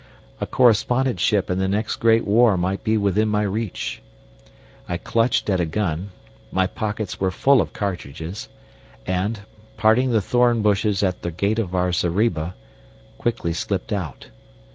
A correspondentship in the next great war might be within my reach. I clutched at a gun my pockets were full of cartridges and, parting the thorn bushes at the gate of our zareba, quickly slipped out.